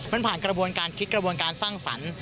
มันผ่านกระบวนการคิดกระบวนการสร้างสรรค์